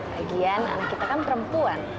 lagian anak kita kan perempuan